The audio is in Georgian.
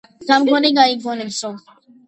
გამგონი გაიგონებსო